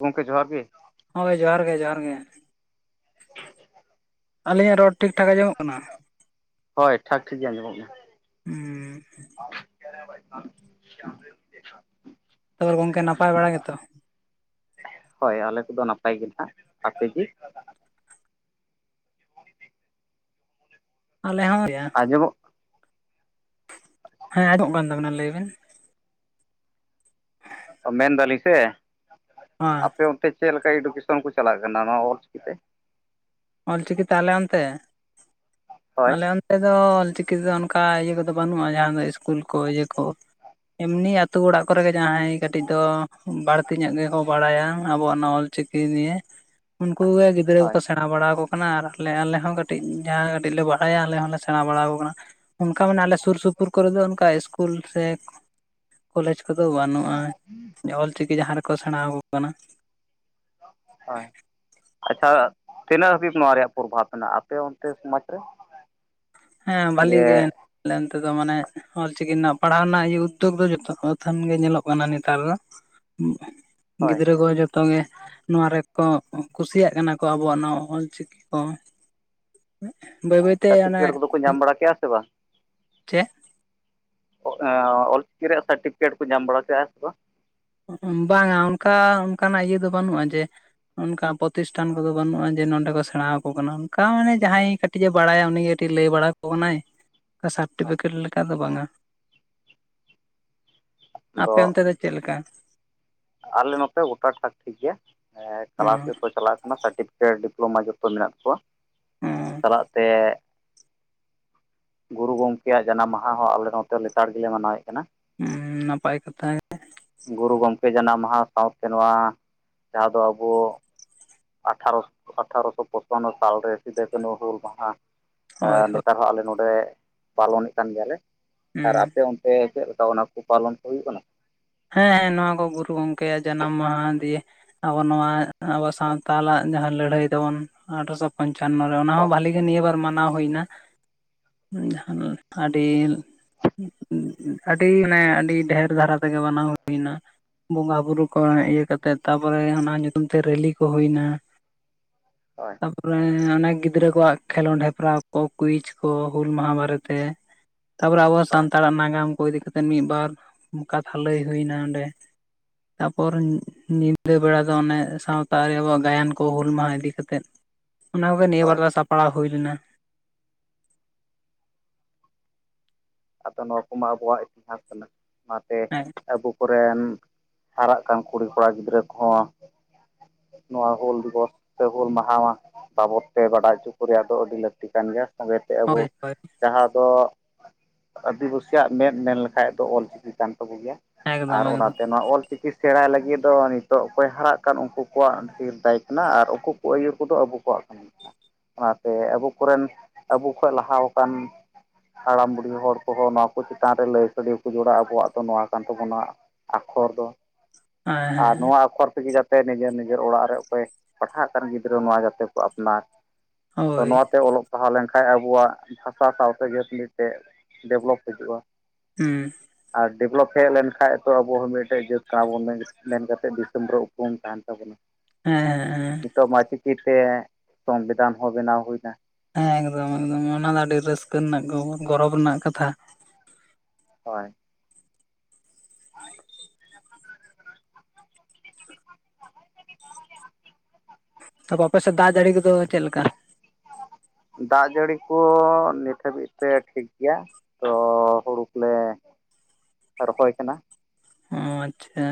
ᱜᱚᱝᱠᱮ ᱡᱚᱦᱟᱨ ᱜᱮ ᱦᱳᱭ ᱡᱚᱦᱟᱨ ᱜᱮ ᱡᱚᱦᱟᱨ ᱜᱮ [inaudible] ᱟᱹᱞᱤᱧᱟᱜ ᱨᱚᱲ ᱴᱷᱤᱠ ᱴᱷᱟᱠ ᱟᱸᱡᱚᱢᱚᱜ ᱠᱟᱱᱟ ᱦᱳᱭ ᱴᱷᱟᱠ ᱴᱷᱤᱠ ᱜᱮ ᱟᱸᱡᱚᱢᱚᱜ ᱦᱩᱸ ᱠᱟᱱᱟ ᱟ ᱠᱢ ᱫ ᱛᱟᱯᱚᱨ ᱜᱚᱝᱠᱮ ᱱᱟᱯᱟᱭ ᱵᱟᱲᱟ ᱜᱮᱛᱚ ᱦᱳᱭ ᱟᱞᱮ ᱠᱚᱫᱚ ᱱᱟᱯᱟᱭ ᱜᱮ ᱱᱟᱦᱟᱜ ᱟᱯᱮᱜᱤ ᱟᱞᱮ ᱦᱚᱸ ᱚᱢᱚᱜ ᱦᱮᱸ ᱟᱡᱚᱢᱚᱜ ᱠᱟᱱ ᱛᱟ. ᱵᱤᱱᱟ ᱞᱟᱹᱭᱵᱤᱱ ᱢᱮᱱᱫᱟᱞᱤ ᱥᱮ ᱦᱮᱸ ᱟᱯᱮ ᱪᱮᱫ ᱞᱮᱠᱟ ᱮᱰᱩᱠᱮᱥᱟᱱ ᱠᱚ ᱪᱟᱞᱟᱜ ᱠᱟᱱᱟ ᱱᱚᱣᱟ ᱚᱞ ᱪᱤᱠᱤ ᱛᱮ ᱚᱞᱪᱤᱠᱤᱛᱮ ᱟᱞᱮ ᱚᱱᱛᱮ ᱦᱳᱭ ᱟᱞᱮ ᱚᱱ ᱱᱚᱛᱮ ᱫᱚ ᱚᱞᱪᱤᱠᱤ ᱛᱮᱫᱚ ᱚᱱᱠᱟ ᱤᱭᱟᱹ ᱠᱚᱫᱚ ᱵᱟᱹᱱᱩᱜᱼᱟ ᱡᱟᱦᱟᱸ ᱫᱚ ᱤᱥᱠᱩᱞ ᱠᱚ ᱤᱭᱟᱹ ᱠᱚ ᱮᱢᱱᱤ ᱟᱛᱳ ᱚᱲᱟᱜ ᱠᱚᱨᱮ ᱜᱮ ᱡᱟᱦᱟᱸᱭ ᱠᱟᱹᱴᱤᱡ ᱫᱚ ᱵᱟᱹᱲᱛᱤ ᱧᱚᱜ ᱜᱮᱠᱚ ᱵᱟᱲᱟᱭᱟ ᱟᱵᱚᱣᱟᱜ ᱱᱚᱣᱟ ᱚᱞ ᱪᱤᱠᱤ ᱱᱤᱭᱮ ᱩᱱᱠᱩᱩᱜ ᱜᱮ ᱜᱤᱫᱽᱨᱟᱹ ᱦᱳᱭ ᱠᱚᱠᱚ ᱥᱮᱬ ᱥᱮᱬᱟ ᱵᱟᱲᱟᱠᱚ ᱠᱟᱱᱟ ᱟᱨ ᱟᱞᱮ ᱟᱞᱮ ᱦᱚᱸ ᱠᱟᱹᱴᱤᱡ ᱡᱟᱦᱟᱸ ᱠᱟᱹᱴᱤᱡ ᱞᱮ ᱵᱟᱲᱟᱭᱟ ᱟᱞᱮ ᱦᱚᱸᱞᱮ ᱥᱮᱬᱟ ᱵᱟᱲᱟ ᱠᱚ ᱠᱟᱱᱟ ᱚᱱᱠᱟ ᱢᱟᱱᱮ ᱟᱞᱮ ᱥᱩᱨ ᱥᱩᱯᱩᱨ ᱠᱚᱨᱮ ᱫᱚ ᱚᱱᱠᱟ ᱠᱩᱞ ᱥᱮ ᱠᱚᱞᱮᱡᱽ ᱠᱚᱫᱚ ᱵᱟᱹᱱᱩᱜᱼᱟ ᱚᱞ ᱪᱤᱠᱤ ᱡᱟᱦᱟᱸ ᱨᱮᱠᱚ ᱥᱮᱬᱟ ᱠᱚ ᱠᱟᱱᱟ ᱦᱳᱭ ᱟᱪᱪᱷᱟ ᱛᱤᱱᱟᱹᱜ ᱦᱟᱹᱵᱤᱡ ᱱᱚᱣᱟ ᱨᱮᱭᱟᱜ ᱯᱨᱚᱵᱷᱟᱵᱽ ᱢᱮᱱᱟᱜᱼᱟ ᱟᱯᱮ ᱚᱱᱛᱮ ᱥᱚᱢᱟᱡᱽ ᱨᱮ ᱦᱮᱸ ᱵᱷᱷᱟᱞᱤ ᱡᱮ ᱜᱮ ᱟᱞᱮ ᱚᱱᱛᱮ ᱫᱚ ᱢᱟᱱᱮ ᱚᱞ ᱪᱤᱠᱤ ᱨᱮᱱᱟᱜ ᱯᱟᱲᱦᱟᱣ ᱨᱮᱱᱟᱜ ᱩᱫᱽᱫᱳᱜᱽ ᱫᱚ ᱡᱚᱛᱚ ᱟᱹᱛᱷᱟ. ᱱ ᱜᱮ ᱧᱮᱞᱚᱜ ᱠᱟᱱᱟ ᱱᱮᱛᱟᱨ ᱫᱚ ᱦᱳᱭ ᱜᱤᱫᱽᱨᱟᱹ ᱠᱚ ᱡᱚ ᱛᱚᱜᱮ ᱱᱚᱣᱟ ᱨᱮᱠᱚ ᱠᱩᱥᱤᱭᱟᱜ ᱠᱟᱱᱟ ᱠᱚ ᱟᱵᱚᱣᱟᱜ ᱱᱚᱣᱟ ᱚᱞ ᱪᱤᱠᱤ ᱠᱚ ᱵᱟᱹᱭ ᱦᱳᱭ ᱵᱟᱹᱭᱛᱮ ᱚᱱᱮ ᱥᱟᱨᱴᱤᱯᱷᱤᱠᱮᱴ ᱠᱚᱫᱚ ᱧᱟᱢ ᱵᱟᱲᱟ ᱠᱮᱜ-ᱟ ᱥᱮ ᱵᱟᱝ ᱪᱮᱫ ᱚᱞᱪᱤᱠᱤ ᱨᱮᱭᱟᱜ ᱥᱟᱨᱴᱤᱯᱷᱤᱠᱮᱴ ᱠᱚ ᱧᱟᱢ ᱵᱟᱲᱟ ᱠᱮᱜᱼᱟ ᱥᱮ ᱵᱟᱝ ᱵᱟᱝᱟ ᱚᱱᱠᱟ ᱚᱱᱠᱟᱱᱟᱜ ᱤᱭᱟᱹ ᱫᱚ ᱵᱟᱹᱱᱩᱜᱼᱟ ᱡᱮ ᱚᱱᱠᱟ ᱯᱨᱚᱛᱤᱥᱴᱷᱟᱱ ᱠᱚᱫᱚ ᱵᱟᱹᱱᱩᱜᱼᱟ ᱡᱮ ᱱᱚᱸᱰᱮ ᱠᱚ ᱥᱮᱬᱟ ᱟᱠᱚ ᱠᱟᱱᱟ ᱚᱱᱠᱟ ᱢᱟᱱᱮ ᱡᱟᱦᱟᱸᱭ ᱠᱟᱹᱴᱤᱡ ᱮ ᱵᱟᱲᱟᱭᱟ ᱩᱱᱤ ᱠᱟᱹᱴᱤᱡ ᱞᱟᱹᱭ ᱵᱟᱲᱟ ᱟᱠᱚ ᱠᱟᱱᱟᱭ ᱚᱱᱠᱟ ᱥᱟᱨᱴᱤᱯᱷᱤᱠᱮᱴ ᱞᱮᱠᱟ ᱫᱚ ᱵᱟᱝᱟ ᱟᱫᱚ ᱟᱯᱮ ᱚᱱᱛᱮ ᱫᱚ ᱪᱮᱫᱞᱮᱠᱟ ᱟᱞᱮ ᱱᱚᱛᱮ ᱜᱚᱴᱟ ᱴᱷᱟᱠ ᱴᱷᱤᱠ ᱜᱮᱭᱟ ᱚ ᱠᱞᱟᱥ ᱨᱮᱠᱚ ᱪᱟᱞᱟᱜ ᱠᱟᱱᱟ ᱥᱟᱨᱴᱤᱯᱷᱤ ᱰᱤᱯᱞᱳᱢᱟ ᱡᱚᱛᱚ ᱢᱮᱱᱟᱜ ᱛᱟᱠᱚᱣᱟ ᱚ ᱪᱟᱞᱟᱜ ᱛᱮ ᱜᱩᱨᱩ ᱜᱚᱢᱠᱮᱭᱟᱜ ᱡᱟᱱᱟᱢ ᱢᱟᱦᱟ ᱦᱚᱸ ᱟᱞᱮ ᱱᱚᱛᱮ ᱞᱮᱛᱟᱲ ᱜᱮᱞᱮ ᱢᱟᱱᱟᱣᱮᱫ ᱠᱟᱱᱟ ᱩᱸ ᱱᱟᱯᱟᱭ ᱠᱟᱛᱷᱟ ᱜᱮ᱾ ᱜᱩᱨᱩ ᱜᱚᱢᱠᱮ ᱡᱟᱱᱟᱢ ᱢᱟᱦᱟ ᱥᱟᱶᱛᱮ ᱱᱚᱣᱟ ᱡᱟᱦᱟᱸ ᱫᱚ ᱟᱵᱚ ᱟᱴᱷᱟᱨᱚᱥᱚ ᱟᱴᱷᱟᱨᱚᱥᱚ ᱯᱚᱪᱚᱱᱱᱚ ᱥᱟᱞᱨᱮ ᱥᱤᱫᱟᱹ ᱠᱟᱹᱱᱩ ᱦᱩᱞ ᱢᱟᱦᱟ᱾ ᱦᱳᱭ ᱦᱳᱭ ᱱᱮᱛᱟᱨ ᱦᱚᱸ ᱟᱞᱮ ᱱᱚᱸᱰᱮ ᱯᱟᱞᱚᱱᱮᱫ ᱠᱟᱱ ᱜᱮᱭᱟᱞᱮ, ᱦᱩᱸ ᱟᱨ ᱟᱯᱮ ᱚᱱ ᱥᱮ ᱪᱮᱫ ᱞᱮᱠᱟ ᱚᱱᱟ ᱠᱚ ᱯᱟᱞᱚᱱ ᱠᱚ ᱦᱩᱭᱩᱜ ᱠᱟᱱᱟ? ᱦᱮᱸ ᱦᱮᱸ ᱱᱚᱣᱟ ᱠᱚ ᱜᱩᱨᱩ ᱜᱚᱝᱠᱮᱭᱟᱜ ᱡᱟᱱᱟᱢ ᱢᱟᱦᱟ ᱫᱤᱭᱮ ᱟᱵᱚ ᱱᱚᱣᱟ ᱟᱵᱚ ᱥᱟᱶᱛᱟᱞᱟᱜ ᱡᱟᱦᱟᱸ ᱞᱟᱹᱲᱦᱟᱹᱭ ᱛᱟᱵᱚᱱ ᱟᱴᱷᱨᱚᱥᱚ ᱯᱚᱱᱪᱟᱱᱱᱚ ᱨᱮ ᱚᱱᱟ ᱦᱚᱸ ᱦᱳᱭ ᱵᱷᱟᱞᱤᱜᱮ ᱱᱤᱭᱟᱹ ᱵᱟᱨ ᱢᱟᱱᱟᱣ ᱦᱩᱭᱱᱟ᱾ ᱡᱟᱦᱟᱱ ᱟᱰᱤᱞ ᱟᱹᱰᱤ ᱢᱟᱱᱮ ᱟᱹᱰᱤ ᱰᱷᱮᱹᱨ ᱫᱷᱟᱨᱟ ᱛᱮᱜᱮ ᱵᱟᱱᱟᱣ ᱦᱩᱭᱱᱟ᱾ ᱵᱚᱸᱜᱟ ᱵᱩᱨᱩ ᱠᱚ ᱦᱳᱭ ᱤᱭᱟᱹ ᱠᱟᱛᱮᱜ ᱛᱟᱯᱚᱨᱮ ᱚᱱᱟ ᱧᱩᱛᱩᱢ ᱛᱮ ᱨᱮᱞᱤ ᱠᱚ ᱦᱩᱭᱱᱟ [inaudible] ᱦᱳᱭ᱾ ᱛᱟᱯᱚᱨᱮ ᱚᱱᱮᱠ ᱜᱤᱫᱽᱨᱟᱹ ᱠᱚᱣᱟᱜ ᱠᱷᱮᱞᱳᱱᱰ ᱦᱮᱯᱨᱟᱣ ᱠᱚ ᱠᱩᱭᱤᱡ ᱠᱚ ᱦᱩᱞ ᱢᱟᱦᱟ ᱵᱟᱨᱮᱛᱮ᱾ ᱛᱟᱯᱚᱨᱮ ᱟᱵᱚᱭᱟᱜ ᱦᱳᱭ ᱥᱟᱱᱛᱟᱲᱟᱜ ᱱᱟᱜᱟᱢ ᱠᱚ ᱤᱫᱤ ᱠᱟᱛᱮᱱ ᱢᱤᱫᱵᱟᱨ ᱠᱟᱛᱷᱟ ᱞᱟᱹᱭ ᱦᱩᱭᱱᱟ ᱚᱸᱰᱮ᱾ ᱛᱟᱯᱚᱨ ᱧᱤᱫᱟᱹ ᱵᱮᱲᱟ ᱫᱚ ᱚᱱᱮ ᱥᱟᱶᱛᱟ ᱨᱮ ᱟᱵᱚᱣᱟᱜ ᱜᱟᱭᱟᱱ ᱠᱚ ᱦᱩᱞ ᱢᱟᱦᱟ ᱤᱫᱤ ᱠᱟᱛᱮᱜ᱾ ᱚᱱᱟ ᱠᱚᱜᱮ ᱱᱤᱭᱟᱹ ᱦᱳᱭ ᱵᱟᱨ ᱫᱚ ᱥᱟᱯᱲᱟᱣ ᱦᱩᱭ ᱞᱮᱱᱟ᱾ ᱟᱫᱚ ᱱᱚᱣᱟ ᱠᱚᱢᱟ ᱟᱵᱚᱣᱟᱜ ᱤᱛᱤᱦᱟᱥ ᱠᱟᱱᱟ ᱚᱱᱟᱛᱮ ᱦᱮᱸ ᱟᱵᱚ ᱠᱚᱨᱮᱱ ᱦᱟᱨᱟᱜ ᱠᱟᱱ ᱠᱩᱲᱤ ᱠᱚᱲᱟ ᱜᱤᱫᱽᱨᱟᱹ ᱠᱚᱦᱚᱸ ᱱᱚᱣᱟ ᱦᱩᱞ ᱫᱤᱵᱚᱥ ᱥᱮ ᱦᱩᱞ ᱢᱟᱦᱟᱣᱟ ᱵᱟᱵᱚᱫ ᱛᱮ ᱵᱟᱰᱟᱭ ᱪᱚ ᱠᱚ ᱨᱮᱭᱟᱜ ᱫᱚ ᱟᱹᱰᱤ ᱞᱟᱹᱠᱛᱤ ᱠᱟᱱ ᱜᱮᱭᱟ ᱥᱚᱸᱜᱮᱛᱮ ᱟᱵᱚ ᱦᱳᱭ ᱦᱳᱭ ᱡᱟᱦᱟᱸ ᱫᱚ ᱟᱹᱫᱤᱵᱟᱹᱥᱤᱭᱟᱜ ᱢᱮᱫ ᱢᱮᱱ ᱞᱮᱠᱷᱟᱡ ᱫᱚ ᱚᱞ ᱪᱤᱠᱤ ᱠᱟᱱ ᱛᱟᱵᱚ ᱜᱮᱭᱟ ᱟᱨ ᱮᱠᱫᱚᱢ ᱮᱠᱫᱚᱢ ᱚᱱᱟᱛᱮ ᱱᱚᱣᱟ ᱚᱞ ᱪᱤᱠᱤ ᱥᱮᱬᱟᱭ ᱞᱟᱹᱜᱤᱫ ᱫᱚ ᱱᱤᱛᱚᱜ ᱚᱠᱚᱭ ᱦᱟᱨᱟᱜ ᱠᱟᱱ ᱩᱱᱠᱩ ᱠᱚᱣᱟᱜ ᱰᱷᱤᱨ ᱫᱟᱭ ᱠᱟᱱᱟ ᱟᱨ ᱩᱱᱠᱩ ᱠᱩ ᱟᱹᱭᱩᱨ ᱠᱚᱫᱚ ᱟᱵᱚ ᱠᱚᱣᱟᱜ᱾ ᱠᱟᱱ [inaudible] ᱜᱮᱭᱟ ᱚᱱᱟᱛᱮ ᱟᱵᱚ ᱠᱚᱨᱮᱱ ᱟᱵᱚ ᱠᱷᱚᱡ ᱞᱟᱦᱟᱣ ᱠᱟᱱ ᱦᱟᱲᱟᱢ ᱵᱩ ᱦᱚᱲ ᱠᱚᱦᱚᱸ ᱱᱚᱣᱟ ᱠᱚ ᱪᱮᱛᱟᱱ ᱨᱮ ᱞᱟᱹᱭ ᱥᱟᱹᱲᱤᱣ ᱠᱚ ᱡᱚᱲᱟ ᱟᱵᱚᱣᱟᱜ ᱫᱚ ᱱᱚᱣᱟ ᱠᱟᱱ ᱛᱟᱵᱚᱱᱟ ᱟᱠᱷᱚᱨ ᱫᱚ᱾ ᱦᱮᱸ ᱟᱨ ᱦᱮᱸ ᱱᱚᱣᱟ ᱟᱠᱷᱚᱨ ᱛᱤᱜᱤ ᱡᱟ ᱛᱮ ᱱᱤᱡᱮᱨ ᱱᱤᱡᱮᱨ ᱚᱲᱟᱜ ᱨᱮ ᱚᱠᱚᱭ ᱯᱟᱲᱦᱟᱜ ᱠᱟᱱ ᱜᱤᱫᱽᱨᱟᱹ ᱱᱚᱣᱟ ᱡᱟᱛᱮ ᱠᱚ ᱟᱯᱱᱟᱨ᱾ ᱛᱚ ᱦᱳᱭ ᱱᱚᱣᱟ ᱛᱮ ᱚᱞᱚᱜ ᱯᱟᱲᱦᱟᱣ ᱞᱮᱱᱠᱷᱟᱡ ᱟᱵᱚᱣᱟᱜ ᱵᱷᱟᱥᱟ ᱥᱟᱶᱛᱮ ᱡᱟᱹᱛᱞᱤ ᱛᱮ ᱰᱮᱵᱷᱞᱚᱯ ᱦᱤᱡᱩᱜᱼᱟ᱾ ᱦᱩᱸ᱾ ᱟᱨ ᱰᱮᱵᱷᱚᱞᱚᱯ ᱦᱮᱡ ᱞᱮᱱᱠᱷᱟᱡ ᱛᱚ ᱟᱵᱚ ᱦᱚᱸ ᱢᱤᱫᱴᱮᱡ ᱡᱟᱹᱛ ᱠᱟᱱᱟ ᱵᱚᱱ ᱢᱮ ᱢᱮᱱ ᱠᱟᱛᱮ ᱫᱤᱥᱚᱢ ᱨᱮ ᱩᱯᱨᱩᱢ ᱛᱟᱦᱮᱸᱱ ᱛᱟᱵᱚᱱᱟ᱾ ᱦᱮᱸ ᱦᱮᱸ ᱦᱮᱸ᱾ ᱱᱤᱛᱚᱜ ᱢᱟ ᱪᱤᱠᱤ ᱛᱮ ᱥᱚᱝᱵᱤᱫᱷᱟᱱ ᱦᱚᱸ ᱵᱮᱱᱟᱣ ᱦᱩᱭᱱᱟ᱾ ᱦᱮᱸ ᱮᱠᱫᱚᱢ ᱮᱠᱫᱚᱢ ᱚᱱᱟ ᱫᱚ ᱟᱹᱰᱤ ᱨᱟᱹᱥᱠᱟᱹ ᱨᱮᱱᱟᱜ ᱜᱷᱚᱵᱚᱨ ᱜᱚᱨᱚᱵᱽ ᱨᱮᱱᱟᱜ ᱠᱟᱛᱷᱟ᱾ ᱦᱳᱭ᱾ ᱛᱟᱯᱚ ᱟᱯᱮ ᱥᱮᱫ ᱫᱟᱜ ᱡᱟᱹᱲᱤ ᱠᱚᱫᱚ ᱪᱮᱫ ᱞᱮᱠᱟ? ᱫᱟᱜ ᱡᱟᱹᱲᱤ ᱠᱚ ᱱᱤᱛ ᱦᱟᱹᱵᱤᱡ ᱛᱮ ᱴᱷᱤᱠ ᱜᱮᱭᱟ᱾ ᱛᱚ ᱦᱩᱲᱩ ᱠᱚᱞᱮ ᱨᱚᱦᱚᱭ ᱠᱟᱱᱟ᱾ ᱚ ᱟᱪᱪᱷᱟ,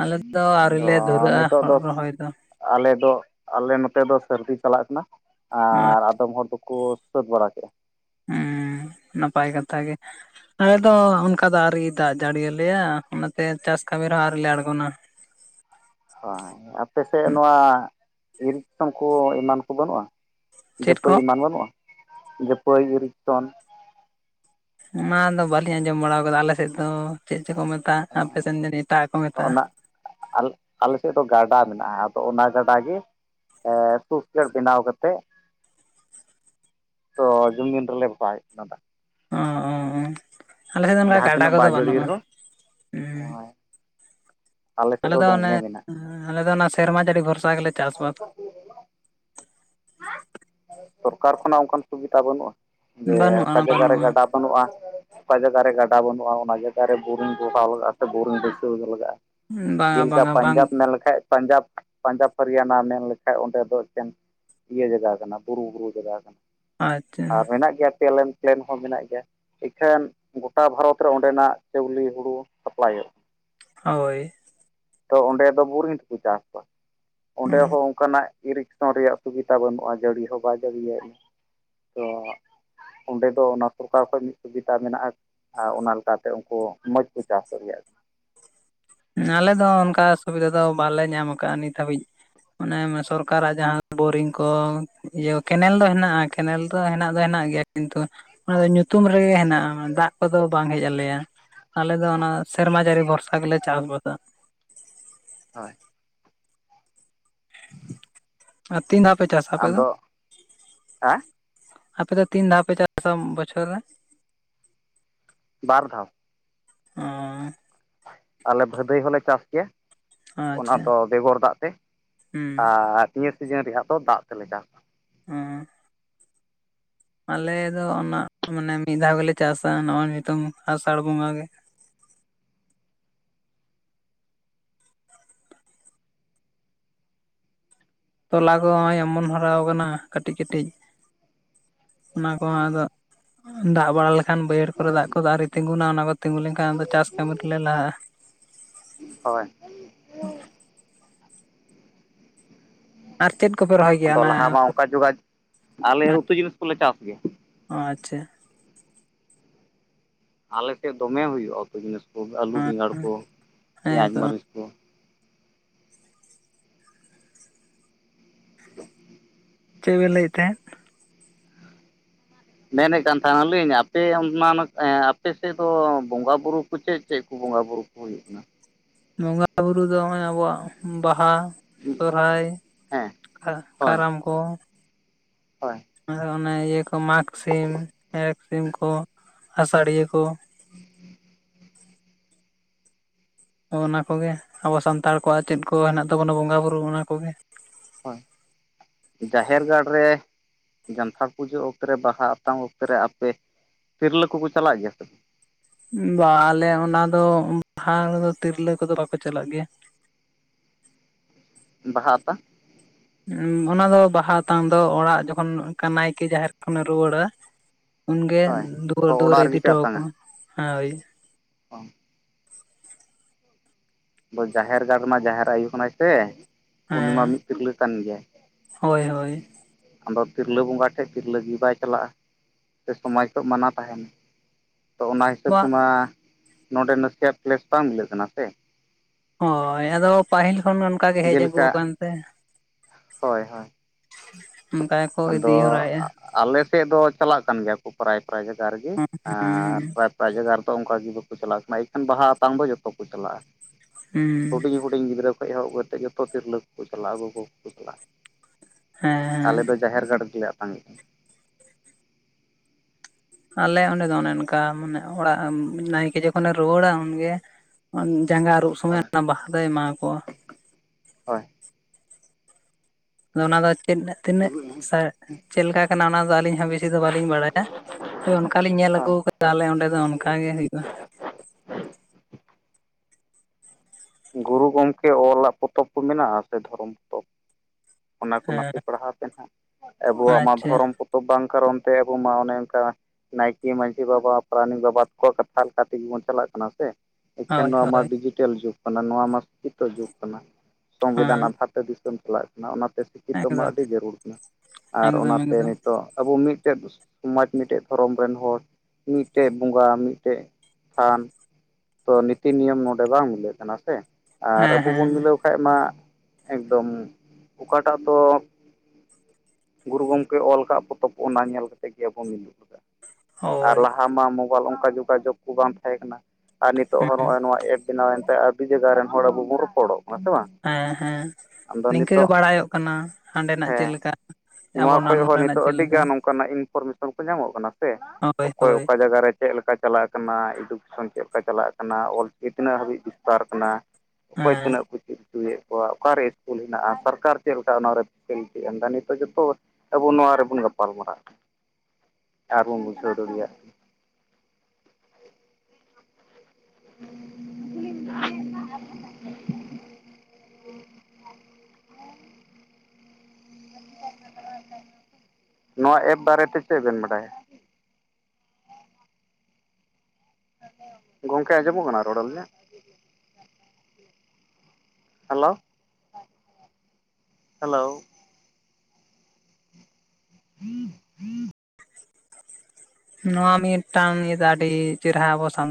ᱟᱞᱮ ᱫᱚ ᱟᱹᱣᱨᱤ ᱛᱚ ᱞᱮ ᱫᱷᱩᱨᱟᱹᱜᱼᱟ ᱦᱩᱲᱳ ᱨᱚᱦᱚᱭ ᱫᱚ᱾ ᱟᱞᱮ ᱫᱚ ᱟᱞᱮ ᱱᱚᱛᱮ ᱫᱚ ᱥᱟᱹᱨᱫᱤ ᱪᱟᱞᱟᱜ ᱠᱟᱱᱟ ᱟᱨ ᱟᱫᱚᱢ ᱦᱚᱲ ᱫᱚ ᱠᱚ ᱥᱟᱹᱛ ᱵᱟᱲᱟ ᱠᱮᱟ᱾ ᱩᱸ ᱱᱟᱯᱟᱭ ᱠᱟᱛᱷᱟ ᱜᱮ᱾ ᱟᱞᱮ ᱫᱚ ᱚᱱᱠᱟ ᱫᱚ ᱟᱹᱣᱨᱤᱭ ᱫᱟᱜ ᱡᱟᱹᱲᱤᱭᱟᱞᱮᱭᱟ ᱚᱱᱟᱛᱮ ᱪᱟᱥ ᱠᱟᱹᱢᱤ ᱨᱮᱦᱚᱸ ᱟᱣᱨᱤ ᱞᱮ ᱟᱬᱜᱚᱱᱟ᱾ ᱦᱳᱭ ᱟᱯᱮ ᱥᱮᱫ ᱱᱚᱣᱟ ᱤᱨᱠᱥᱚᱱ ᱠᱚ ᱮᱢᱟᱱ ᱠᱚ ᱵᱟᱹᱱᱩᱜᱼᱟ? ᱪᱮᱫ ᱡᱷᱟᱹᱯᱟᱹᱭ ᱠᱚ ᱮᱢᱟᱱ ᱵᱟᱹᱱᱚᱜᱼᱟ ᱡᱷᱟᱹᱯᱟᱹᱭ ᱤᱨᱤᱠᱥᱚᱱ᱾ ᱚᱱᱟ ᱫᱚ ᱵᱟᱹᱞᱤᱧ ᱟᱸᱡᱚᱢ ᱵᱟᱲᱟᱣ ᱠᱟᱫᱟ ᱟᱞᱮ ᱥᱮᱫ ᱫᱚ ᱪᱮᱫ ᱪᱚ ᱠᱚ ᱢᱮᱛ ᱚ ᱚᱱᱟᱜ᱾ ᱟᱞ ᱟᱞᱮ ᱥᱮᱫ ᱫᱚ ᱜᱟᱰᱟ ᱢᱮᱱᱟᱜᱼᱟ ᱟᱫᱚ ᱚᱱᱟ ᱜᱟᱰᱟ ᱜᱮ ᱮ ᱠᱷᱩᱵ ᱡᱳᱨ ᱵᱤᱱᱟᱣ ᱠᱟᱛᱮᱫ ᱛᱚ ᱡᱩᱢᱤᱱ ᱨᱮᱞᱮ ᱵᱷᱚᱨᱟᱭ ᱛᱟᱹᱨᱟ᱾ ᱚ ᱟᱞᱮ ᱥᱮᱫ ᱫᱚ ᱚᱱᱠᱟ ᱡᱟᱦᱟᱸ ᱜᱟᱰᱟ ᱛᱤᱱᱟᱹᱜ ᱠᱚᱫᱚ ᱵᱟᱭ ᱡᱟᱹᱲᱤ ᱵᱟᱹᱱᱩᱜᱼᱟ ᱨᱮᱦᱚᱸ ᱩ ᱥᱮᱫ ᱟᱞᱮ ᱫᱚ ᱫᱚᱢᱮ ᱚᱱᱮ ᱢᱮᱱᱟᱜᱼᱟ [unintelligible] [unintelligible] ᱟᱞᱮ ᱫᱚ ᱚᱱᱟ ᱥᱮᱨᱢᱟ ᱡᱟᱹᱲᱤ ᱵᱷᱚᱨᱥᱟ ᱜᱮᱞᱮ ᱪᱟᱥ ᱵᱟᱥᱼᱟ ᱥᱚᱨᱠᱟᱨ ᱠᱷᱚᱱᱟᱜ ᱚᱱᱠᱟᱱ ᱥᱩᱵᱤᱫᱷᱟ ᱵᱟᱹᱱᱩᱜᱼᱟ ᱡᱮ ᱚᱠᱟ ᱵᱟᱹᱱᱩᱜᱼᱟ ᱡᱟᱭᱜᱟ ᱨᱮ ᱵᱟᱹᱱᱩᱜᱼᱟ ᱜᱟᱰᱟ ᱵᱟᱹᱱᱩᱜᱼᱟ ᱚᱠᱟ ᱡᱟᱭᱜᱟ ᱨᱮ ᱜᱟᱰᱟ ᱵᱟᱹᱱᱩᱜᱼᱚᱠᱟ ᱡᱟᱭᱜᱟ ᱨᱮ ᱜᱟᱰᱟ ᱵᱟᱱᱝ ᱚᱱᱟ ᱡᱟᱭᱜᱟ ᱨᱮ ᱵᱩᱨᱩᱝ ᱵᱟᱹᱭᱥᱟᱹᱣ ᱞᱟᱜᱟᱜᱼᱟ ᱥᱮ ᱵᱤᱨᱤᱫ ᱵᱫᱭᱥᱟᱣ ᱜᱮ ᱟ ᱵᱟᱝᱟ ᱡᱮᱞᱮᱠᱟ ᱵᱟᱝᱟ ᱵᱟᱝ ᱯᱟᱧᱡᱟᱵᱽ ᱢᱮᱱ ᱞᱮᱠᱷᱟᱡ ᱯᱟᱧᱡᱟᱵᱽ ᱯᱟᱧᱡᱟᱵᱽ ᱦᱚᱨᱤᱭᱟᱱᱟ ᱢᱮᱱ ᱞᱮᱠᱷᱟᱡ ᱚᱸᱰᱮ ᱫᱚ ᱮᱠᱮᱱ ᱤᱭᱟᱹ ᱡᱟᱭᱜᱟ ᱠᱟᱱᱟ ᱵᱩᱨᱩ ᱵᱩᱨᱩ ᱡᱟᱭᱜᱟ ᱠᱟᱱᱟ ᱟᱪᱪᱷᱟ ᱟᱨ ᱢᱮᱱᱟᱜ ᱜᱮᱭᱟ ᱯᱮᱞᱮᱱ ᱯᱞᱮᱱ ᱦᱚᱸ ᱢᱮᱱᱟᱜ ᱜᱮᱭᱟ ᱤᱠᱷᱮᱱ ᱜᱚᱴᱟ ᱵᱷᱟᱨᱚᱛ ᱨᱮ ᱚᱸᱰᱮᱱᱟᱜ ᱪᱟᱣᱞᱤᱮ ᱦᱩᱲᱩ ᱥᱟᱯᱞᱟᱭᱚᱜᱼᱟ ᱦᱳᱭ [inaudible] ᱛᱚ ᱚᱸᱰᱮ ᱫᱚ ᱵᱨᱤᱝ ᱛᱮᱠᱚ ᱪᱟᱥ ᱠᱚᱣᱟ ᱚᱸᱰᱮ ᱦᱚᱸ ᱦᱩᱸ ᱚᱱᱠᱟᱱᱟᱜ ᱤᱨᱠᱥᱚᱱ ᱨᱮᱭᱟᱜ ᱥᱩᱵᱤᱫᱟ ᱵᱟᱹᱱᱩᱜᱼᱟ ᱡᱟᱹᱲᱤ ᱦᱚᱸ ᱵᱟᱭ ᱡᱟᱹᱲᱤᱭᱮᱫ ᱛᱚ [unintelligible] ᱚᱸᱰᱮ ᱫᱚ ᱚᱱᱟ ᱥᱚᱨᱠᱟᱨ ᱚᱠᱟ ᱠᱷᱚᱡ ᱢᱤᱫ ᱥᱩᱵᱤᱫᱟ ᱢᱮᱱᱟᱜᱼᱟ ᱟᱨ ᱚᱱᱟ ᱞᱮᱠᱟᱛᱮ ᱩᱱᱠᱩ ᱢᱚᱸᱡᱽ ᱠᱚ ᱪᱟᱥ ᱫᱮᱭᱟᱜ ᱟᱞᱮ ᱫᱚ ᱚᱱᱠᱟ ᱥᱩᱵᱤᱫᱷᱟ ᱫᱚ ᱵᱟᱞᱮ ᱧᱟᱢ ᱟᱠᱟᱟᱜᱼᱟ ᱱᱤᱛ ᱦᱟᱹᱵᱤᱡ ᱚᱱᱮ ᱥᱚᱨᱠᱟᱨᱟᱜ ᱡᱟᱦᱟᱸ ᱵᱳᱨᱤᱝ ᱠᱚ [inaudible] ᱤᱭᱟᱹ ᱠᱮᱱᱮᱞ ᱫᱚ ᱦᱮᱱᱟᱜᱼᱟ ᱠᱮᱱᱮᱞ ᱫᱚ ᱦᱮᱱᱟᱜ ᱫᱚ ᱦᱮᱱᱟᱜ ᱜᱮᱭᱟ ᱠᱤᱱᱛᱩ ᱚᱱᱟ ᱫᱚ ᱧᱩᱛᱩᱢ ᱨᱮᱜᱮ ᱦᱮᱱᱟᱜᱼᱟ ᱫᱟᱜ ᱠᱚᱫᱚ ᱵᱟᱝ ᱦᱮᱡ ᱟᱞᱮᱭᱟ ᱟᱞᱮ ᱫᱚ ᱚᱱᱟ ᱥᱮᱨᱢᱟ ᱡᱟᱹᱨᱤ ᱵᱷᱚᱨᱥᱟ ᱜᱮᱞᱮ ᱪᱟᱥ ᱵᱟᱟᱥ [inaudible] ᱦᱳᱭ [unintelligible] ᱟᱨ ᱛᱤᱱ ᱫᱷᱟᱣ ᱯᱮ ᱪᱟᱥᱟ ᱟᱯᱮ ᱫᱚ ᱟᱫᱚ ᱦᱮᱸ [inaudible] ᱟᱯᱮ ᱫᱚ ᱛᱤᱱ ᱫᱷᱟᱣ ᱯᱮ ᱪᱟᱥᱟ ᱵᱚᱪᱷᱚᱨ ᱨᱮ ᱵᱟᱨ ᱫᱷᱟᱣ ᱚ ᱟᱞᱮ ᱵᱷᱟᱹᱫᱟᱹᱭ ᱦᱚᱸᱞᱮ ᱪᱟᱥ ᱜᱮᱭᱟ ᱚᱱᱟ ᱟᱪᱪᱷᱟ ᱫᱚ ᱵᱮᱜᱚᱨ ᱫᱟᱜ ᱛᱮ ᱦᱩᱸ ᱟᱨ ᱱᱤᱭᱟᱹ ᱥᱤᱡᱤᱱ ᱨᱮᱭᱟᱜ ᱫᱚ ᱫᱟᱜ ᱛᱮᱞᱮ ᱪᱟᱥᱟ ᱚᱸ [inaudible] ᱟᱞᱮ ᱫᱚ ᱚᱱᱟ ᱢᱟᱱᱮ ᱢᱤᱫ ᱫᱷᱟᱣ ᱜᱮᱞᱮ ᱪᱟᱥᱟ ᱱᱚᱜᱼᱚᱭ ᱱᱤᱛᱚᱝ ᱟᱥᱟᱲ ᱵᱚᱸᱜᱟ ᱜᱮ ᱛᱚᱞᱟ ᱠᱚᱦᱚᱸᱭ ᱮᱢᱚᱱ ᱦᱚᱨᱟᱣ ᱟᱠᱟᱱᱟ ᱠᱟᱹᱴᱤᱡ ᱠᱟᱹᱴᱤᱡ ᱚᱱᱟ ᱠᱚᱦᱚᱸ ᱟᱫᱚ ᱫᱟᱜ ᱵᱟᱲᱟ ᱞᱮᱠᱷᱟᱱ ᱵᱟᱹᱭᱦᱟᱹᱲ ᱠᱚᱨᱮ ᱫᱟᱜ ᱵᱟᱲᱟ ᱮᱱᱠᱷᱟᱱ ᱵᱟᱹᱭᱦᱟᱲ ᱠᱚᱨᱮ ᱫᱟᱜ ᱠᱚᱫᱚ ᱟᱹᱣᱨᱤ ᱛᱤᱸᱜᱩᱱᱟ ᱚᱱᱟ ᱠᱚ ᱛᱤᱸᱜᱩ ᱞᱮᱱᱠᱷᱟᱱᱫᱚ ᱪᱟᱥ ᱠᱟᱹᱢᱤ ᱨᱮ ᱞᱟᱦᱟᱜᱼᱟ ᱦᱳᱭ ᱟᱨ ᱪᱮᱫ ᱠᱚᱯᱮ ᱨᱚᱦᱚᱭ ᱜᱮᱭᱟ ᱟᱫᱚ ᱚᱱᱟ ᱞᱟᱦᱟ ᱢᱟ ᱚᱱᱠᱟ ᱡᱚᱜᱟ ᱟᱞᱮ [unintelligible] ᱩᱛᱩ ᱡᱤᱱᱤᱥ ᱠᱚᱞᱮ ᱪᱟᱥ ᱜᱮᱭᱟ ᱚ ᱟᱪᱪᱷᱟ ᱟᱞᱮᱥᱮᱫ ᱫᱚᱢᱮ ᱦᱩᱭᱩᱜᱼᱟ ᱩᱛᱩ ᱡᱤᱱᱤᱥ ᱠᱚ ᱟᱹᱞᱩ ᱵᱮᱸᱜᱟᱲ ᱠᱚ ᱦᱮᱸ ᱯᱮᱸᱭᱟᱡᱽ ᱛᱚ ᱢᱟᱹᱨᱤᱪ ᱠᱚ ᱪᱮᱫ ᱵᱮᱤᱱ ᱞᱟᱹᱭᱮᱫ ᱛᱟᱦᱮᱸᱫ ᱢᱮᱱᱮᱫ ᱠᱟᱱ ᱛᱟᱦᱮᱱᱟᱞᱤᱧ ᱟᱯᱮ ᱚᱱᱟ [unintelligible] ᱟᱯᱮ ᱥᱮᱫ ᱫᱚ ᱵᱚᱸᱜᱟ ᱵᱩᱨᱩ ᱠᱚ ᱪᱮᱫ ᱪᱮᱫ ᱠᱚ ᱵᱚᱸᱜᱟ ᱵᱩᱨᱩ [inaudible] ᱦᱩᱭᱩᱜ ᱠᱟᱱᱟ [unintelligible] ᱵᱚᱸᱜᱟ ᱵᱩᱨᱩ ᱫᱚ ᱱᱚᱜᱼᱚᱭ ᱟᱵᱚᱣᱟᱜ ᱵᱟᱦᱟ ᱦᱩᱸ [unintelligible] ᱥᱚᱨᱦᱟᱭ ᱠᱟᱨᱟᱢ ᱠᱚ ᱦᱳᱭ ᱟᱨ ᱚᱱᱮ ᱤᱭᱟᱹ ᱠᱚ ᱢᱟᱜᱽ ᱥᱤᱢ ᱮᱠ ᱥᱤᱢᱠᱩ ᱟᱥᱟᱲᱤᱭᱟᱹ ᱠᱚ ᱚᱱᱟ ᱠᱚᱜᱮ ᱟᱵᱚ ᱥᱟᱱᱛᱟᱲ ᱠᱚᱣᱟᱜ ᱪᱮᱫ ᱠᱚ ᱦᱮᱱᱟᱜ ᱛᱟᱵᱚᱱᱟ ᱵᱚᱸᱜᱟ ᱵᱩᱨᱩ ᱚᱱᱟ ᱠᱚᱜᱮ ᱦᱳᱭ ᱡᱟᱦᱮᱨ ᱜᱟᱲ ᱨᱮ ᱡᱟᱱᱛᱷᱟᱲ ᱯᱩᱡᱟᱹ ᱚᱠᱛᱮ ᱨᱮ ᱵᱟᱦᱟ ᱟᱛᱟᱝ ᱚᱠᱛᱮ ᱨᱮ ᱟᱯᱮ, ᱛᱤᱨᱞᱟᱹ ᱠᱚᱠᱚ ᱪᱟᱞᱟᱜ ᱜᱮᱭᱟ ᱥᱮ ᱵᱟᱝ? ᱵᱟ ᱟᱞᱮ ᱚᱱᱟ ᱫᱚ ᱵᱟᱦᱟᱫᱚ ᱛᱤᱨᱞᱟᱹ ᱠᱚᱫᱚ ᱵᱟᱠᱚ ᱪᱟᱞᱟᱜ ᱜᱮᱭᱟ ᱵᱟᱦᱟ ᱟᱛᱟᱝ ᱚᱱᱟ ᱫᱚ ᱵᱟᱦᱟ ᱛᱟᱝ ᱫᱚ ᱚᱲᱟᱜ ᱡᱚᱠᱷᱚᱱ ᱱᱟᱭᱠᱮ ᱡᱟᱦᱮᱨ ᱠᱷᱚᱱᱮ ᱨᱩᱣᱟᱹᱲ ᱩᱱᱜᱮ ᱦᱳᱭ ᱫᱩᱣᱟᱹᱨ ᱦᱚᱸ ᱫᱩᱣᱟᱹᱨᱮ ᱚᱲᱟᱜ ᱤᱫᱤ ᱦᱚᱴᱚ ᱟᱠᱚᱣᱟ ᱦᱮᱭ ᱳᱭ ᱚ [unintelligible] ᱟ ᱡᱟᱦᱮᱨ ᱜᱟᱲ ᱢᱟ ᱡᱟᱦᱮᱨ ᱟᱭᱩ ᱠᱟᱱᱟᱭ ᱥᱮ ᱩᱱᱤ ᱢᱟ ᱦᱮᱸ ᱢᱤᱫ ᱛᱤᱨᱞᱟᱹ ᱠᱟᱱ ᱜᱮᱭᱟᱭ ᱾ ᱦᱳᱭ ᱦᱳᱭ ᱟᱫᱚ ᱛᱤᱨᱞᱟᱹ ᱵᱚᱸᱜᱟ ᱴᱷᱮᱱ ᱛᱤᱨᱞᱟᱹ ᱜᱮ ᱵᱟᱭ ᱪᱟᱞᱟᱜᱼᱟ ᱥᱮ ᱥᱚᱢᱟᱡᱽ ᱠᱷᱚᱱ ᱢᱟᱱᱟ ᱛᱟᱦᱮᱱᱟ? ᱛᱚ ᱚᱱᱟ ᱦᱤᱥᱟᱹᱵ ᱛᱮᱢᱟ ᱱᱚᱰᱮ ᱱᱟᱥᱮᱭᱟᱜ ᱯᱞᱮᱥ ᱵᱟᱝ ᱢᱤᱞᱟᱹᱜ ᱠᱟᱱᱟ ᱥᱮ ᱾ ᱦᱳᱭ ᱟᱫᱚ ᱯᱟᱹᱦᱤᱞ ᱠᱷᱚᱱ ᱚᱱᱠᱟ ᱜᱮ ᱦᱮᱡ ᱟᱹᱜᱩ ᱡᱮᱞᱮᱠᱟ ᱟᱠᱟᱱᱛᱮ ᱾ ᱦᱳᱭ ᱦᱳᱭ [unintelligible] ᱼᱼ ᱟᱫᱚ ᱟᱞᱮ ᱥᱮᱫ ᱫᱚ ᱪᱟᱞᱟᱜ ᱠᱟᱱ ᱜᱮᱭᱟ ᱠᱚ ᱯᱨᱟᱭᱼᱼ ᱯᱨᱟᱭ ᱡᱟᱭᱜᱟ ᱨᱮᱜᱮ, ᱦᱩᱸ ᱟᱨᱼᱼ ᱮᱴᱟᱜ ᱡᱟᱭᱜᱟ ᱨᱮᱫᱚ ᱚᱱᱠᱟᱜᱮ ᱵᱟᱠᱚ ᱪᱟᱞᱟᱜ ᱠᱟᱱᱟ ᱮᱱᱠᱷᱟᱱ ᱵᱟᱦᱟ ᱟᱛᱟᱝ ᱫᱚ ᱡᱚᱛᱚ ᱠᱚ ᱪᱟᱞᱟᱜᱼᱟ ᱦᱩᱸ ᱦᱩᱰᱤᱧ ᱦᱩᱰᱤᱧᱼᱼ ᱦᱩᱰᱤᱧ ᱜᱤᱫᱽᱨᱟᱹ ᱠᱷᱚᱡ ᱮᱦᱚᱵ ᱠᱟᱛᱮ ᱡᱚᱛᱚ ᱛᱤᱨᱞᱟᱹ ᱠᱚᱠᱚ ᱪᱟᱞᱟᱜᱼᱟ ᱜᱚᱜᱚ ᱠᱚᱠᱚ ᱪᱟᱞᱟᱜᱼᱟ ᱾ ᱦᱮᱸ ᱦᱮᱸ ᱟᱞᱮ ᱫᱚ ᱡᱟᱦᱮᱨ ᱜᱟᱲ ᱨᱮᱜᱮ ᱞᱮ ᱟᱛᱟᱝᱮᱫᱼᱟ ᱾ ᱟᱞᱮ ᱚᱸᱰᱮ ᱫᱚ ᱚᱱᱮ ᱚᱱᱠᱟ ᱢᱟᱱᱮ ᱚᱲᱟᱜ ᱱᱟᱭᱠᱮ ᱡᱚᱠᱷᱚᱱᱮ ᱨᱩᱣᱟᱹᱲᱟ ᱩᱱᱜᱮᱼᱼ ᱡᱟᱸᱜᱟ ᱟᱹᱨᱩᱵ ᱥᱚᱢᱚᱭ ᱦᱳᱭ ᱚᱱᱟ ᱵᱟᱦᱟ ᱫᱚᱭ ᱮᱢᱟ ᱟᱠᱚᱣᱟ ᱾ ᱦᱳᱭ ᱾ ᱟᱫᱚ ᱚᱱᱟ ᱫᱚ ᱛᱤᱱᱟᱹᱜ ᱪᱮᱫ ᱞᱮᱠᱟ ᱠᱟᱱᱟ ᱚᱱᱟ ᱫᱚ ᱟᱹᱞᱤᱧ ᱦᱚᱸ ᱵᱮᱥᱤ ᱫᱚ ᱵᱟᱹᱞᱤᱧ ᱵᱟᱲᱟᱭᱟ ᱾ ᱚᱱᱠᱟᱞᱤᱧ ᱧᱮᱞ ᱟᱹᱜᱩ ᱦᱳᱭ ᱟᱠᱟᱫᱟ ᱛᱟᱦᱚᱞᱮ ᱚᱸᱰᱮ ᱫᱚ ᱚᱱᱠᱟ ᱜᱮ ᱦᱩᱭᱩᱜᱼᱟ ᱾ ᱜᱩᱨᱩ ᱜᱚᱢᱠᱮ ᱚᱞᱟᱜ ᱯᱚᱛᱚᱵ ᱠᱚ ᱢᱮᱱᱟᱜᱼᱟ ᱥᱮ ᱫᱷᱚᱨᱚᱢ ᱯᱚᱛᱚᱵᱼᱼ ᱚᱱᱟ ᱠᱚ ᱦᱮᱸ ᱱᱟᱥᱮ ᱯᱟᱲᱦᱟᱣ ᱯᱮ ᱱᱟᱦᱟᱸᱜ ᱟᱵᱚᱣᱟᱜ ᱢᱟ ᱟᱪᱪᱷᱟ ᱫᱷᱚᱨᱚᱢ ᱯᱚᱛᱚᱵᱼᱼ ᱵᱟᱝ ᱠᱟᱨᱚᱱ ᱛᱮ ᱟᱵᱚ ᱢᱟ ᱚᱱᱮ ᱚᱱᱠᱟᱼᱼ ᱱᱟᱭᱠᱮ ᱢᱟᱺᱡᱷᱤ ᱵᱟᱵᱟ ᱯᱟᱨᱟᱱᱤᱠ ᱵᱟᱵᱟ ᱛᱠᱚᱣᱟᱜ ᱠᱟᱛᱷᱟ ᱞᱮᱠᱟᱛᱮ ᱜᱮᱵᱚᱱ ᱪᱟᱞᱟᱜ ᱠᱟᱱᱟ ᱥᱮ ᱾ ᱮᱱᱠᱷᱮᱱ ᱦᱳᱭ ᱱᱚᱣᱟ ᱢᱟ ᱦᱳᱭ ᱰᱤᱡᱤᱴᱮᱞ ᱡᱩᱜᱽ ᱠᱟᱱᱟ ᱱᱚᱣᱟ ᱢᱟ ᱥᱤᱠᱷᱤᱛᱚ ᱡᱩᱜᱽ ᱠᱟᱱᱟ ᱦᱮᱸ ᱥᱚᱝᱵᱤᱫᱷᱟᱱ ᱟᱫᱷᱟᱨ ᱼᱼ ᱫᱤᱥᱚᱢ ᱪᱟᱞᱟᱜ ᱠᱟᱱᱟ ᱚᱱᱟᱛᱮᱼᱼ ᱱᱤᱛᱚᱜ ᱢᱟ ᱮᱠᱫᱚᱢ ᱟᱹᱰᱤ ᱡᱟᱹᱨᱩᱲ ᱠᱟᱱᱟ ᱟᱨ ᱮᱠᱫᱚᱢ ᱚᱱᱟᱛᱮ ᱮᱠᱫᱚᱢ ᱱᱤᱛᱚᱜ ᱟᱵᱚ ᱢᱤᱫᱴᱮᱡᱼᱼ ᱥᱚᱢᱟᱡᱽ ᱢᱤᱫᱴᱮᱱ ᱫᱷᱚᱨᱚᱢ ᱨᱮᱱ ᱦᱚᱲ ᱢᱤᱫᱴᱮᱱ ᱵᱚᱸᱜᱟ ᱢᱤᱫᱴᱮᱱ ᱛᱷᱟᱱᱼᱼ ᱛᱚ ᱱᱤᱛᱤ ᱱᱤᱭᱚᱢ ᱱᱚᱰᱮ ᱵᱟᱝ ᱢᱤᱞᱟᱹᱜ ᱠᱟᱱᱟ ᱥᱮ ᱟᱨ ᱦᱮᱸ ᱟᱵᱚ ᱵᱚᱱ ᱦᱮᱸ ᱢᱤᱞᱟᱹᱣᱼᱼ ᱠᱷᱟᱱ ᱢᱟ ᱮᱠᱫᱚᱢ ᱚᱠᱟᱴᱟᱜ ᱛᱚᱼᱼ ᱜᱩᱨᱩ ᱜᱚᱝᱠᱮ ᱚᱞ ᱟᱠᱟᱫ ᱯᱚᱛᱚᱵ ᱚᱱᱟ ᱧᱮᱞ ᱠᱟᱛᱮᱜ ᱜᱮ ᱟᱵᱚ ᱢᱤᱫᱩ ᱞᱟᱜᱟᱜᱼᱟ ᱾ ᱟᱨ ᱦᱳᱭ ᱞᱟᱦᱟ ᱢᱟ ᱢᱳᱵᱟᱭᱤᱞ ᱚᱱᱠᱟ ᱡᱳᱜᱟᱡᱳᱜᱽ ᱠᱚ ᱵᱟᱝ ᱛᱟᱦᱮᱸ ᱠᱟᱱᱟ ᱟᱨ ᱱᱤᱛᱚᱜ ᱦᱚᱸ ᱱᱚᱜᱼᱚᱭ ᱱᱚᱣᱟ ᱼᱼ ᱵᱮᱱᱟᱣ ᱮᱱᱛᱮ ᱟᱹᱰᱤ ᱡᱟᱭᱜᱟ ᱨᱮᱱ ᱦᱚᱲ ᱟᱵᱚ ᱵᱚᱱ ᱨᱚᱯᱚᱲᱚᱜ ᱠᱟᱱᱟ ᱥᱮ ᱵᱟᱝ? ᱦᱮᱸ ᱦᱮᱸ ᱟᱫᱚ ᱱᱤᱝᱠᱟᱹ ᱜᱮ ᱱᱤᱛᱚᱜ ᱵᱟᱲᱟᱭᱚᱜ ᱠᱟᱱᱟ, ᱦᱟᱸᱰᱮᱱᱟᱜ ᱪᱮᱫᱮ ᱦᱮᱸ ᱞᱮᱠᱟ? ᱱᱚᱣᱟ ᱟᱵᱚᱱᱟᱜ ᱠᱷᱚᱡ ᱦᱚᱸ ᱱᱚᱰᱮᱱᱟᱜ ᱱᱤᱛᱚᱜ ᱪᱮᱫ ᱞᱮᱠᱟ ᱟᱹᱰᱤᱜᱟᱱ ᱚᱱᱠᱟᱱᱟᱜ ᱤᱱᱯᱷᱚᱨᱢᱮᱥᱚᱱ ᱠᱚ ᱧᱟᱢᱚᱜ ᱠᱟᱱᱟ ᱥᱮ ᱦᱳᱭ ᱚᱠᱚᱭ ᱦᱳᱭ ᱚᱠᱟ ᱡᱟᱭᱜᱟ ᱨᱮ ᱪᱮᱫ ᱞᱮᱠᱟᱼᱼ ᱪᱟᱞᱟᱜ ᱠᱟᱱᱟ ᱮᱰᱩᱠᱮᱥᱚᱱ ᱪᱮᱫ ᱞᱮᱠᱟ ᱪᱟᱞᱟᱜ ᱠᱟᱱᱟ ᱚᱞ ᱪᱤᱠᱤ ᱛᱤᱱᱟᱹᱜ ᱦᱟᱹᱵᱤᱡ ᱵᱤᱥᱛᱟᱨ ᱠᱟᱱᱟᱼᱼ ᱚᱠᱚᱭ ᱦᱮᱸ ᱛᱤᱱᱟᱹᱜ ᱠᱚ ᱪᱮᱫᱼᱼ ᱦᱚᱪᱚᱭᱮᱫ ᱠᱚᱣᱟ ᱚᱠᱟᱨᱮ ᱤᱥᱠᱩᱞ ᱦᱮᱱᱟᱜᱼᱟ ᱥᱚᱨᱠᱟᱨ ᱪᱮᱫ ᱞᱮᱠᱟ ᱚᱱᱟᱨᱮ ᱯᱷᱮᱥᱮᱞᱤᱴᱤ ᱮᱢ ᱮᱫᱟ ᱱᱤᱛᱚᱜ ᱡᱚᱛᱚᱼᱼ ᱟᱵᱚ ᱱᱚᱣᱟ ᱨᱮᱵᱚᱱ ᱜᱟᱯᱟᱞ ᱢᱟᱨᱟᱜ ᱠᱟᱱᱟ ᱟᱨ ᱵᱚᱱ ᱵᱩᱡᱷᱟᱹᱣ ᱫᱟᱲᱮᱭᱟᱜ ᱠᱟᱱᱟ ᱾ [inaudible] [inaudible] ᱱᱚᱣᱟ ᱮᱯ ᱵᱟᱨᱮᱛᱮ ᱪᱮᱫ ᱵᱮᱱ ᱵᱟᱰᱟᱭᱟ? ᱜᱚᱝᱠᱮ ᱟᱸᱡᱚᱢᱚᱜ ᱠᱟᱱᱟ ᱨᱚᱲ ᱟᱞᱤᱧᱟᱜ? ᱦᱮᱞᱳᱼᱼ ᱦᱮᱞᱳᱼᱼ [unintelligible] ᱱᱚᱣᱟ ᱢᱤᱫᱴᱟᱝ ᱤᱭᱟᱹ ᱫᱚ ᱟᱹᱰᱤ ᱪᱮᱨᱦᱟ ᱟᱵᱚ ᱼᱼ